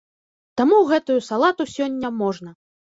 Таму гэтую салату сёння можна.